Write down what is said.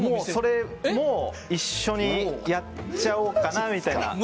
それも一緒にやっちゃおうかなみたいな。